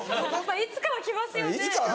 いつかは来ますよね。